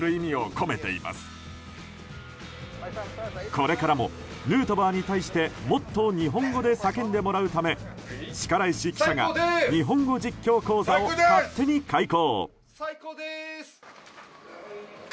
これからもヌートバーに対してもっと日本語で叫んでもらうため力石記者が日本語実況講座を勝手に開講。